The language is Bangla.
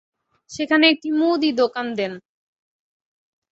সেখানে একটি মুদি দোকান দেন।